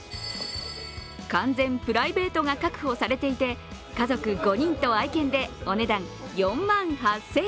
完全プライベートが確保されていて、家族５人と愛犬でお値段４万８０００円。